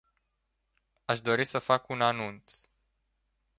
Aș dori să fac un anunț.